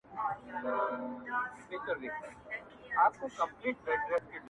• یو سړی په دې یخنۍ کي مسافر سو -